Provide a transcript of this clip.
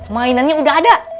mainannya udah ada